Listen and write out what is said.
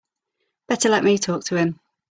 Better let me talk to him.